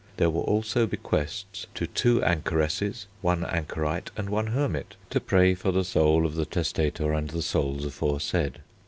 There were also bequests to 2 anchoresses, 1 anchorite, and 1 hermit, to pray for the soul of the testator and the souls aforesaid.